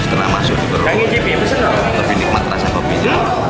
kepala kepala kopi geni